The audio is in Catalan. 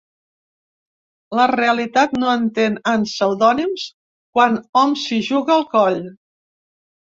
La realitat no entén en pseudònims quan hom s’hi juga el coll.